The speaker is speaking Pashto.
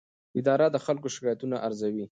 اداره د خلکو شکایتونه ارزوي.